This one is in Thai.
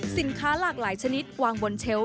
สินค้าหลากหลายชนิดวางบนเชลล์